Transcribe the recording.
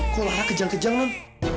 kok lah kejang kejang non